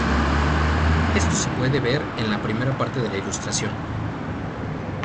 Esto se puede ver en la primera parte de la ilustración.